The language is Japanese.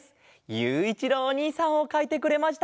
ゆういちろうおにいさんをかいてくれました。